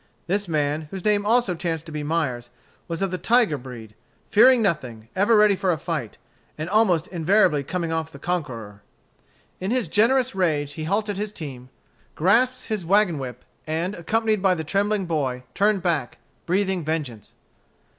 This man, whose name also chanced to be Myers, was of the tiger breed, fearing nothing, ever ready for a fight, and almost invariably coming off conqueror. In his generous rage he halted his team, grasped his wagon whip, and, accompanied by the trembling boy, turned back, breathing vengeance.